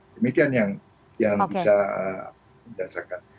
demikian yang bisa dirasakan